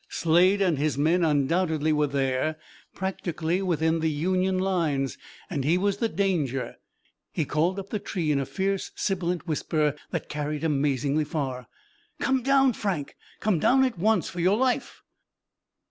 Slade and his men undoubtedly were there practically within the Union lines and he was the danger! He called up the tree in a fierce sibilant whisper that carried amazingly far: "Come down, Frank! Come down at once, for your life!"